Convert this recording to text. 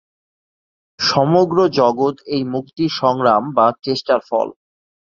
সমগ্র জগৎ এই মুক্তির সংগ্রাম বা চেষ্টার ফল।